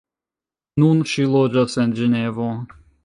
Nun ŝi loĝas en Ĝenevo.